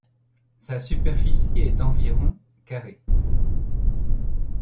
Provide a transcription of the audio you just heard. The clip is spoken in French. Sa superficie est d'environ carré.